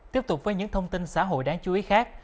tiếp tục với những thông tin xã hội đáng chú ý khác